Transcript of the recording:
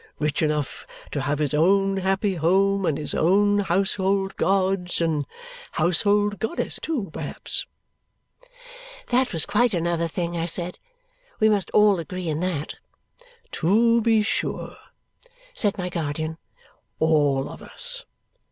Rich enough to have his own happy home and his own household gods and household goddess, too, perhaps?" That was quite another thing, I said. We must all agree in that. "To be sure," said my guardian. "All of us.